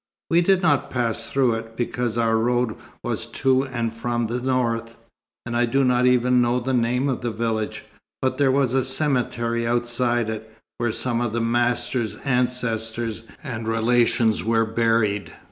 We did not pass through it, because our road was to and from the north; and I do not even know the name of the village. But there was a cemetery outside it, where some of the master's ancestors and relations were buried.